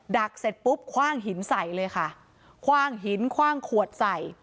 เสร็จปุ๊บคว่างหินใส่เลยค่ะคว่างหินคว่างขวดใส่